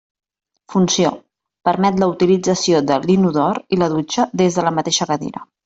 Funció: permet la utilització de l'inodor i la dutxa des de la mateixa cadira.